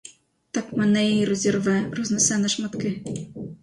Так мене й розірве, рознесе на шматки!